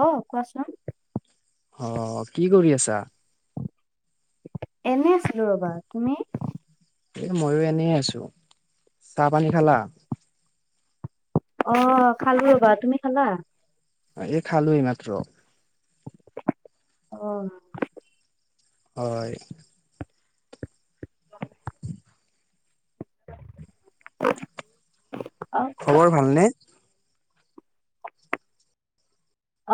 অ question. অ 'কি কৰি আছা এনে আছিলো ৰবা তুমি এ ময়ো এনে আছো চাহ পানী খালা? অ খালো ৰবা তুমি খালা? এই খালো এই মাত্ৰ। অহ। হয়। [inaudible] [inaudible] খবৰ ভালনে?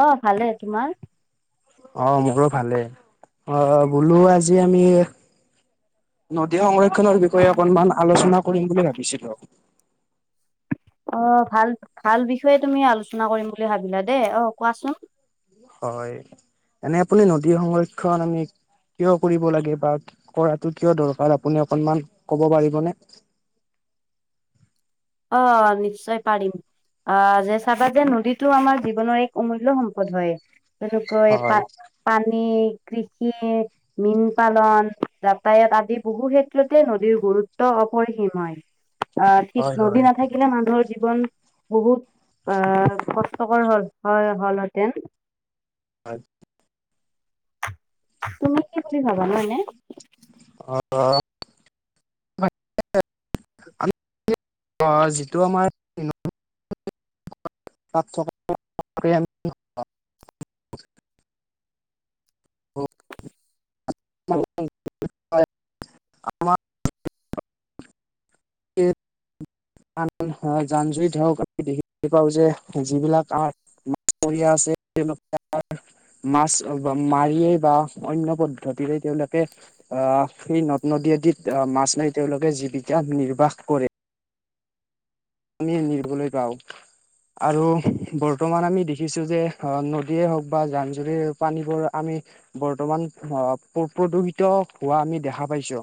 অ ভালে তোমাৰ। অ মোৰো ভালেই অ বোলো আজি আমি নদী সংৰক্ষ সংৰক্ষণৰ বিষয়ে অকনমান আলোচনা কৰিম বুলি ভাবিছিলো। অ ভাল ভাল বিষয়ে তুমি আলোচনা কৰিম বুলি ভাবিলা দেই অ কোৱাচোন। হয় এনে আপুনি নদীৰ সংৰক্ষণ আমি- কিয় কৰিব লাগে বা কৰাটো কিয় দৰকাৰ? আপুনি অকনমান ক'ব পাৰিবনে অ নিশ্চয় পাৰিম। অহ যে চাবা যে নদীটো আমাৰ জীৱনৰ এক অমূল্য সম্পদ হয়। যেনেকৈ পা হয় পানী কৃষি মীন পালন যাতায়াত আদি বহু ক্ষেত্ৰতে নদীৰ গুৰুত্ব হয়। অপৰিসীম হয় অ' ঠিক হয় নদী হয় নাথাকিলে মানুহৰ জীৱন বহুত আহ কষ্টকৰ হল হল হেতেন। হয়। তুমি কি বুলি ভাবা মানে? অ' [unintelligible] যিটো আমাৰ [unintelligible] [inaudible] আমাৰ এ- আন আন অ জান জুৰি ধৰক আমি দেখিবলে পাওঁ যে যিবিলাক আ মাছ মৰিয়া আছে [inaudible] মাছ মাৰিয়েই বা অন্য পদ্ধতিৰে তেওঁলোকে আহ সেই নদ - নদী মাছ মাৰি তেওঁলোকে জীৱিকা নিৰ্বাহ কৰে। নিবলৈ গাও- আৰু বৰ্তমান আমি দেখিছো যে নদীয়ে হওক বা জান জুৰি পানীবোৰ আমি- বৰ্তমান অহ প্ৰদূষিত হোৱা আমি দেখা পাইছো।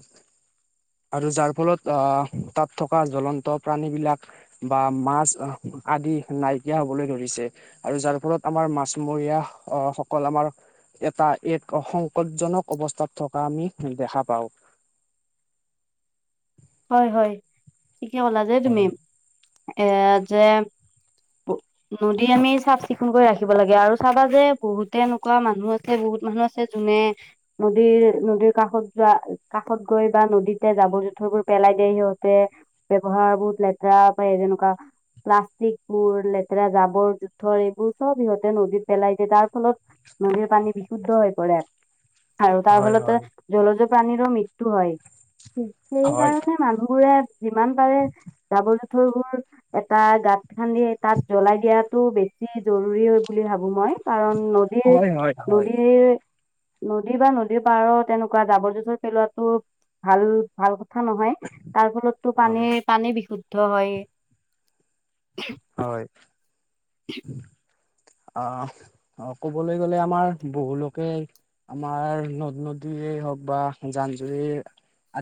আৰু যাৰ ফলত আহ তাত থকা জ্বলন্ত প্ৰাণী বিলাক- বা মাছ আদি নাইকিয়া হবলৈ ধৰিছে আৰু যাৰ ফলত আমাৰ মাছমৰীয়া- অ সকল আমাৰ- এটা এক সংকটজনক অৱস্থাত থকা আমি দেখা পাঁও। হয় -হয় ঠিকে কলা যে তুমি। হয়। এ যে নদী আমি চাফ-চিকুণ কৰি ৰাখিব লাগে আৰু চাবা যে বহুতে এনেকুৱা মানুহ আছে বহুত বহুত মানুহ আছে যোনে নদীৰ নদীৰ কাষত যোৱা কাষত গৈ বা নদীতে জাবৰ জোথৰবোৰ? পেলাই দিয়ে সিহঁতে, ব্যৱহাৰ বহুত লেতেৰা কৈ যেনেকুৱা প্লাষ্টিকবোৰ, লেতেৰা জাবৰ-জোথৰ এইবোৰ চব সিহঁতে নদীত পেলাই দিয়ে তাৰ ফলত নদীৰ পানী বিশুদ্ধ হৈ পৰে। আৰু তাৰ হয় ফলতে হয় জলজ প্ৰাণীৰো মৃত্যু হয়। হয় সেইকাৰণে মানুহবোৰে যিমান পাৰে জাবৰ-জোঁথৰবোৰ এটা গাঁত খান্দি তাত জ্বলাই দিয়াটো বেছি জৰুৰী হয় বুলি ভাবো মই। কাৰণ হয় হয় হয়। নদীৰ-নদীৰ নদী বা নদীৰ পাৰত এনেকুৱা জাবৰ জোথৰ পেলোৱাটো ভাল ভাল কথা নহয়। তাৰ ফলতো হয়। পানীৰ পানী বিশুদ্ধ হয় হয়। অ -অ ক'বলৈ গ'লে আমাৰ বহু লোকে। আমাৰ নদ নদীয়ে হওক বা জান জুৰি।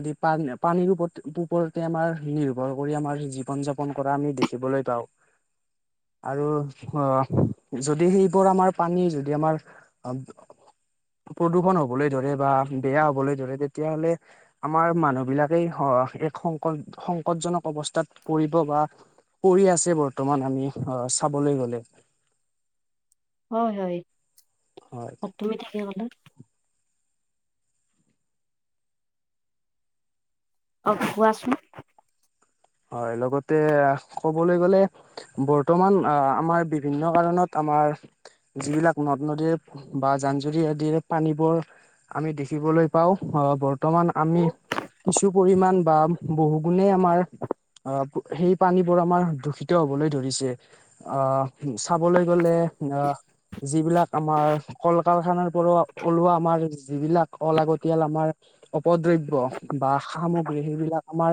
আদি পা পানীৰ ওপ ওপৰতে আমাৰ নিৰ্ভৰ কৰি আমাৰ জীৱন যাপন কৰা আমি দেখিবলৈ পাও। [inaudible] আৰু অ যদি সেইবোৰ আমাৰ পানী যদি আমাৰ প্ৰদূষণ হবলৈ ধৰে বা বেয়া হবলৈ ধৰে তেতিয়াহলে আমাৰ মানুহবিলাকেই হ এক সংকট-সংকটজনক অৱস্থাত পৰিব বা কৰি আছে বৰ্তমান আমি আহ চাবলৈ গলে। হয়-হয়। হয় তুমি ঠিকেই কলা। অ কোৱাচোন? হয় লগতে ক'বলৈ গ'লে বৰ্তমান আমাৰ বিভিন্ন কাৰণত আমাৰ যিবিলাক নদ-নদীৰ বা জান-জুৰি আদিৰ পানীবোৰ আমি দেখিব লৈ পাও আহ বৰ্তমান আমি কিছু পৰিমান বা বহু গুণেই আমাৰ অ সেই পানীবোৰ আমাৰ দূষিত হবলৈ ধৰিছে অ চাবলৈ গলে। আহ যিবিলাক আমাৰ কল-কাৰখানাৰ পৰাও ওলোৱা আমাৰ যিবিলাক অলা আাগতিয়াল আমাৰ অপদ্ৰব্য বা সামগ্ৰী সেইবিলাক আমাৰ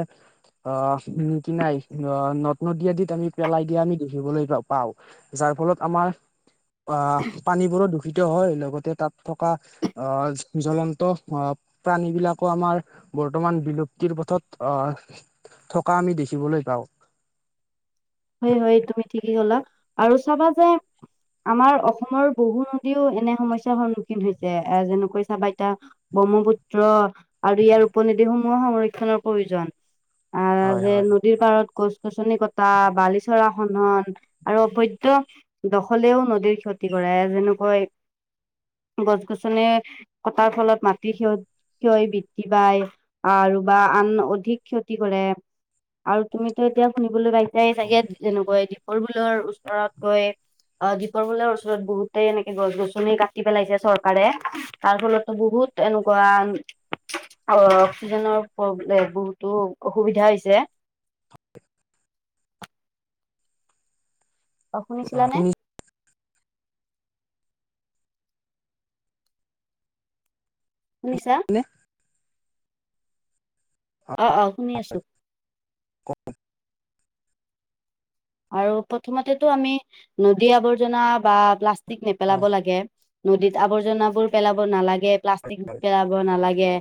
আহ। উম! কিনাই অ নদ-নদী আদিত আমি পেলাই দিয়া আমি দেখিবলৈ পাওঁ যাৰ ফলত আমাৰ আহ পানীবোৰো দূষিত দূষিত হয় লগতে তাত থকা আহ জ্বলন্ত প্ৰাণীবিলাকো আমাৰ বৰ্তমান বিলুপ্তিৰ পথত আহ [inaudible] থকা আমি দেখিবলৈ পাওঁ। হয় হয় তুমি ঠিকেই কলা আৰু চাবা যে। আমাৰ অসমৰ বহু নদীও এনে সমস্যাৰ সন্মুখীন হৈছে এ যেনেকৈ চাবা ইতা। ব্ৰহ্মপুত্ৰ আৰু ইয়াৰ উপনদীসমূহৰ সংৰক্ষণৰ প্ৰয়োজন। আহ হয় যে হয় নদীৰ পাৰত গছ-গছনি কটা। বালিচৰা খনন আৰু অভৈধ দখলেও নদীৰ ক্ষতি কৰে যেনেকৈ গছ গছনি কটাৰ ফলত মাটিৰ সিহঁত। ক্ষয় বৃদ্ধি পায় আৰু বা আন অধিক ক্ষতি কৰে। আৰু তুমিতো এতিয়া শুনিবলৈ পাইছাই চাগে যেনেকৈ দীপৰবিলৰ ওচৰত গৈ। অ দীপৰ বিলৰ ওচৰত বহুতেই এনেকে গছ-গছনি কাটি পেলাইছে চৰকাৰে, তাৰ ফলতো বহুত বহুত এনেকুৱা অ অক্সিজেনৰ প্ৰব্লেম বহুতো অসুবিধা হৈছে। [unintelligible] অ 'শুনিছিলানে। শুনিছা? অ আহ-আহ শুনি আছো। [unintelligible] আৰু প্ৰথমতেতো আমি নদী আৱৰ্জনা বা প্লাষ্টিক অ নেপেলাব লাগে। নদীত আৱৰ্জনাবোৰ পেলাব নালাগে প্লাষ্টিক পেলাব নালাগে?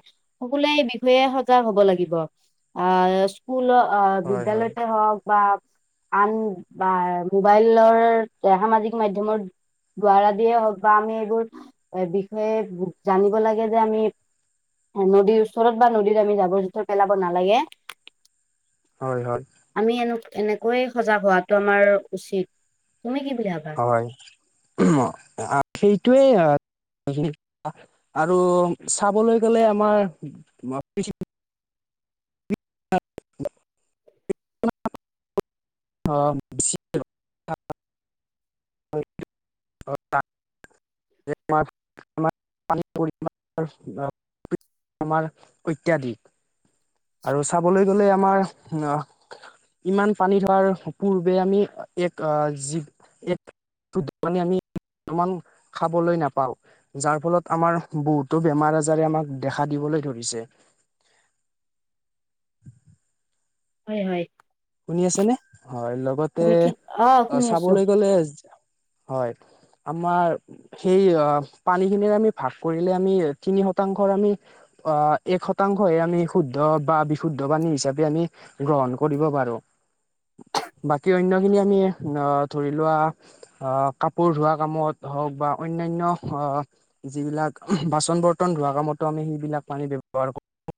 সকলোৱে বিষয়ে সজাগ হব লাগিব আ স্কুলত। অ হয় হয় বিদ্যালয়তে হওক বা। আন বা মোবাইলৰ সামাজিক মাধ্যমত? [unintelligible] দিয়ে হওক বা আমি এইবোৰ এ বিষয়ে জানিব লাগে যে আমি নদীৰ ওচৰত বা নদীত আমি জাবৰ জোথৰ পেলাব নালাগে। হয়-হয়। আমি এনে এনেকৈয়ে সজাগ হোৱাটো আমাৰ উচিত। তুমি কি বুলি ভাবা হয় [unintelligible] আহ সেইটোৱেই হয়। আৰু চাবলৈ গ'লে আমাৰ পৃথিৱী অ [unintelligible] [unintelligible] [unintelligible] [inaudible] আমাৰ অত্যাধিক আৰু চাবলৈ গলে আমাৰ আহ। ইমান পানী ধোৱাৰ পূৰ্বে আমি এক যি এক তো দোকানি আনি। কিমান খাবলৈ নাপাওঁ, যাৰ ফলত আমাৰ বহুতো বেমাৰ-আজাৰে আমাক দেখা দিব কোনে ধৰিছে? [inaudible] [inaudible] হয়-হয়। শুনি আছে নে হয় লগতে ঠিক অ শুনি আছো চাবলৈ গ'লে। হয় আমাৰ সেই পানীখিনিৰে আমি ভাগ কৰিলে আমি তিনি। শতাংশৰ আমি আহ এক শতাংশহে আমি শুদ্ধ বা বিশুদ্ধ পানী হিচাপে আমি গ্ৰহণ কৰিব পাৰো। বাকী অন্যখিনি আমি ধৰি লোৱা অ কাপোৰ ধোৱা কামত হওক। বা অন্যান্য যিবিলাক বাচন বৰ্তন ধোৱা কামতো আমি সেইবিলাক পানী ব্যৱহাৰ কৰোঁ।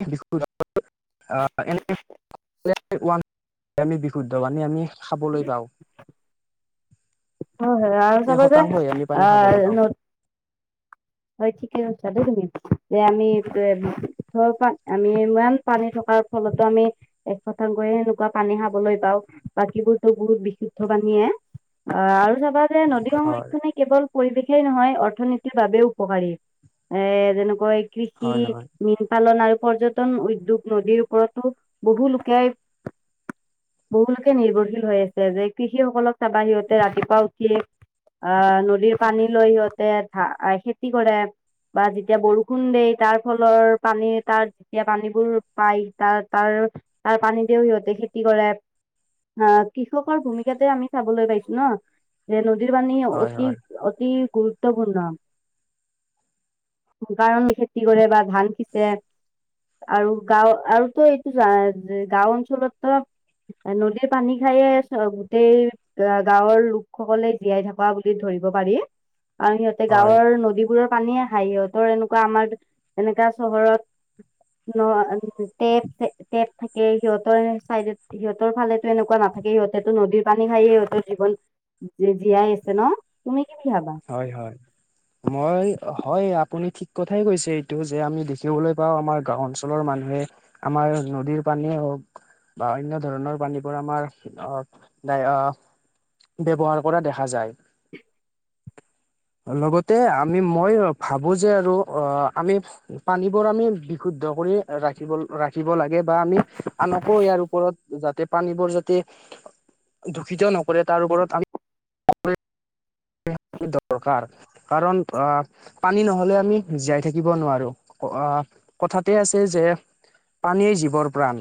[unintelligible] আহ এনেই [unintelligible] আমি বিশুদ্ধ পানী আমি খাবলৈ পাওঁ। হয় -হয় আৰু এক চাবা যে শতাংশহে আমি পানী খাবলৈ পাওঁ আ' [unintelligible] ঠিকে কৈছা দেই তুমি যে আমি [unintelligible] আমি ইমান পানী থকাৰ ফলত ফলতো আমি এ শতাংকয়ে সেনেকুৱা পানী খাবলৈ পাও বাকীবোৰতো বহুত বিশুদ্ধ পানীয়ে অ আৰু চাবা যে নদী হয় সংৰক্ষণে কেৱল পৰিৱেশেই নহয় অৰ্থনীতিৰ বাবেও। উপকাৰী এ যেনেকৈ কৃষি, হয় হয় মীন পালন আৰু পৰ্যটন উদ্যোগ নদীৰ ওপৰতো বহু লোকে। বহুুলোকে নিৰ্ভৰশীল হৈ আছে যে কৃষি সকলক চাবা সিহঁতে ৰাতিপুৱা উঠি। আহ নদীৰ পানী লৈ সিহঁতে ধা খেতি কৰে। বা যেতিয়া বৰষুণ দেই তাৰ ফলৰ পানী তাৰ যেতিয়া পানীবোৰ পাই তাৰ তাৰ। তাৰ পানীতেও সিহঁতে খেতি কৰে অ কৃষকৰ ভূমিকাতে আমি চাবলৈ পাইছো ন যেনে। নদীৰ পানী হয় হয় অতি-অতি গুৰুত্বপূৰ্ণ। কাৰণ খেতি কৰে বা ধান সিচে। আৰু গাঁও আৰুতো এইটো যে গাঁও অঞ্চলত তো। নদীৰ পানী খায়য়ে চ গোটেই গাঁৱৰ লোকসকলে জীয়াই থকা বুলি ধৰি। [unintelligible] দিব পাৰি আৰু সিহঁতে হয় গাঁৱৰ নদী [unintelligible] পানী আহে সিহঁতৰ এনেকুৱা আমাৰ এনেকা চহৰত ন টেপ টেপ থাকে সিহঁতৰ চাইডত সিহঁতৰ ফালেো এনেকুৱা নাম। থাকে সিহঁতেতো নদীৰ পানী খায়ে সিহঁতৰ জীৱন জীয়াই আছে ন তুমি কি বুলি ভাবা? হয় হয় মই। হয় আপুনি ঠিক কথাই কৈছে এইটো যে আমি দেখিবলৈ পাও আমাৰ গাও অঞ্চলৰ মানুহে আমাৰ হয় নদীৰ পানীয়ে হওঁক। বা অন্য ধৰণৰ পানী পৰা আমাৰ, অহ, অহ ব্যৱহাৰ কৰা দেখা যায় [inaudible] লগতে আমি মই ভাবো যে আৰু অ আমি পানীবোৰ আমি বিশুদ্ধ কৰি ৰাখিব ৰাখিব লাগে বা আমি আনকো ইয়াৰ ওপৰত যাতে পানীবোৰ যাতে [inaudible] দূষিত নকৰে তাৰ ওপৰত আমি দৰকাৰ কাৰণ আহ পানী নহ'লে আমি জীয়াই থাকিব নোৱাৰোঁ। অহ কথাতে আছে যে পানীয়ে জীৱৰ প্ৰাণ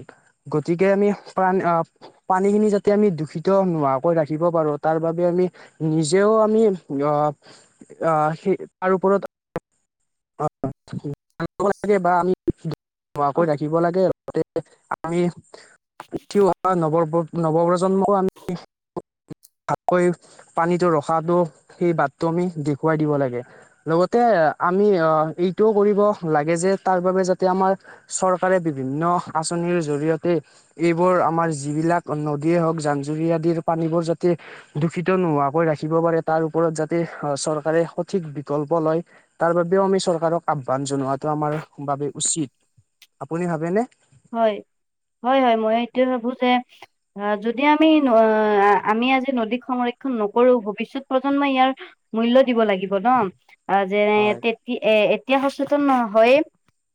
গতিকে আমি প্ৰান পানীখিনি যাতে আমি দূষিত নোহোৱাকৈ ৰাখিব পাৰোঁ তাৰ বাবে আমি নিজেও আমি অ অহ সেই তাৰ ওপৰত ল বা আমি ধোৱাকৈ ৰাখিব লাগে আৰু [unintelligible] আগতে আমি উঠি অহা নৱ নৱপ্ৰজন্মকো আমি ভালকৈ পানীটো ৰ ৰখাটো সেই বাটটো আমি দেখুৱাই দিব লাগে লগতে আমি অ এইটোও কৰিব লাগে যে তাৰ বাবে যাতে আমাৰ চৰকাৰে বিভিন্ন আঁচনিৰ জৰিয়তে এইবোৰ আমাৰ যিবিলাক নদীয়ে হওঁক জান-জুৰি আদিৰ পানীবোৰ যাতে দূষিত নোহোৱাকৈ ৰাখি ৰাখিব পাৰে তাৰ ওপৰত যাতে চৰকাৰে সঠিক বিকল্প লয় তাৰ বাবেও আমি চৰকাৰক আহ্বান জনোৱাটো আমাৰ বাবে উচিত। আপুনি ভাবেনে? হয় হয় হয় মই এইটোয়ে ভাবো যে অ যদি আমি আমি আজি নদীক সংৰক্ষণ নকৰোঁ ভৱিষ্যত প্ৰজন্মই ইয়াৰ মূল্য দিব লাগিব ন যেনে হয়, তেতি এ এতিয়া সচেতন নহয়ে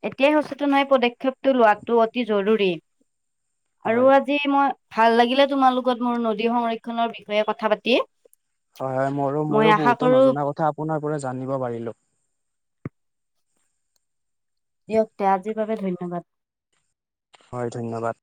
এতিয়াই সচেতন হয় পদক্ষেপটো লোৱা টো অতি জৰুৰী আৰু হয়, আজি মই ভাল লাগিলে তোমাৰ লগত মোৰ নদী সংৰক্ষণৰ বিষয়ে কথা পাতি। হয় হয় মোৰো মই মোৰো আশা বহুতো কৰো নজনা কথা আপোনাৰ পৰা জানিব পাৰিলো দিয়ক দে আজিৰ বাবে ধন্যবাদ। হয় ধন্যবাদ।